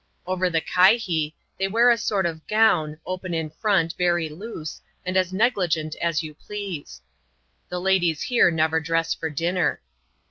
' Over the " kihee," they wear a sort of gown, open in front, very loose, and as negligent as you please. The ladies here never dress for dinner.